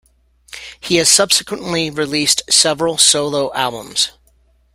He has subsequently released several solo albums.